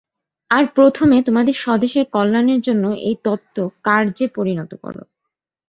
আর প্রথমে তোমাদের স্বদেশের কল্যাণের জন্য এই তত্ত্ব কার্যে পরিণত কর।